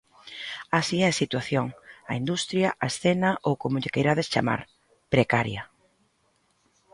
Así é a situación, a industria, a escena ou como lle queirades chamar: precaria.